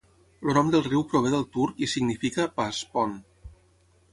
El nom del riu prové del turc i significa 'pas, pont'.